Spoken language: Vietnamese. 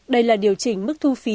đây là điều chỉnh mức thu phí